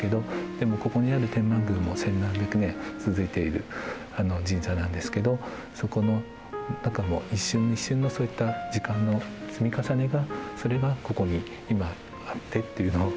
でもここにある天満宮も千何百年続いている神社なんですけどそこの中も一瞬一瞬のそういった時間の積み重ねがそれがここに今あってっていうのを。